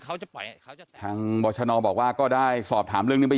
เขาจะปล่อยทางบชนอบอกว่าก็ได้สอบถามเรื่องนี้ไป